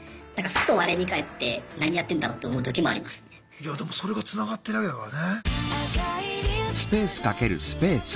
いやでもそれがつながってるわけだからね。